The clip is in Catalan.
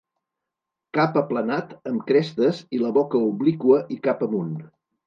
Cap aplanat amb crestes i la boca obliqua i cap amunt.